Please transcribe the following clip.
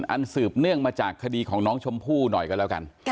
สืบเนื่องมาจากคดีของน้องชมพู่หน่อยก็แล้วกัน